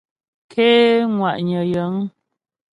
Ké ŋwà'nyə̀ yəŋ.